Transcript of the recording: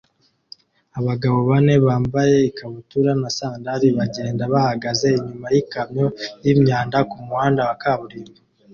Abagabo bane bambaye ikabutura na sandali bagenda bahagaze inyuma yikamyo yimyanda kumuhanda wa kaburimbo